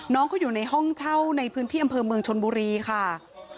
น้องเขาอยู่ในห้องเช่าในพื้นที่อำเภอเมืองชนบุรีค่ะ